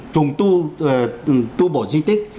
trùng tu tu bổ di tích